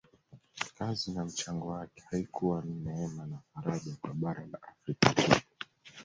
Kazi na mchango wake haikuwa ni neema na faraja kwa bara la Afrika tu